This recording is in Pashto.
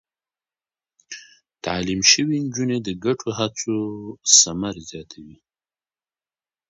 تعليم شوې نجونې د ګډو هڅو ثمر زياتوي.